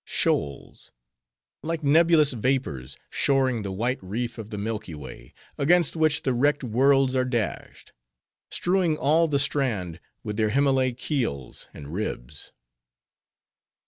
Shoals, like nebulous vapors, shoreing the white reef of the Milky Way, against which the wrecked worlds are dashed; strewing all the strand, with their Himmaleh keels and ribs.